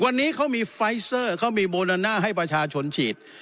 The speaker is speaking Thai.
วันนี้เขามีไฟเซอร์เขามีโมโลน่าให้ประชาชนฉีด